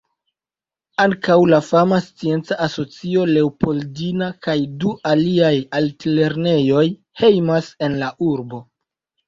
Ankaŭ la fama scienca asocio Leopoldina kaj du aliaj altlernejoj hejmas en la urbo.